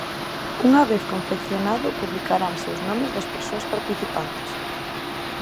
Unha vez confeccionado, publicaranse os nomes das persoas participantes.